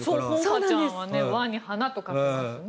和花ちゃんは和に花と書きますね。